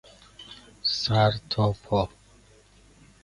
سر تا پا